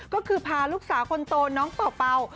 ก็คือพาลูกสาวคนโตน้องเป่า